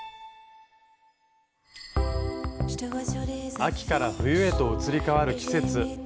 秋から冬へと移り変わる季節。